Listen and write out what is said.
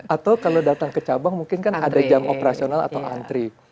atau kalau datang ke cabang mungkin kan ada jam operasional atau antri